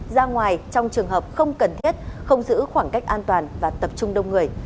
ra ngoài trong trường hợp không cần thiết không giữ khoảng cách an toàn và tập trung đông người